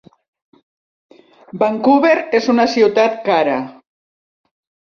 Vancouver és una ciutat cara.